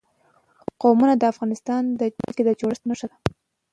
قومونه د افغانستان د ځمکې د جوړښت نښه ده.